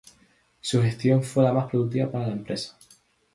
Su gestión fue la más productiva para la empresa.